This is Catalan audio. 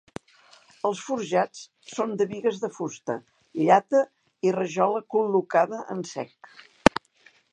Els forjats són de bigues de fusta, llata i rajola col·locada en sec.